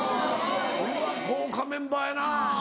うわ豪華メンバーやな。